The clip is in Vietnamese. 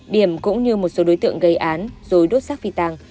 điểm cũng như một số đối tượng gây án rồi đốt xác phi tàng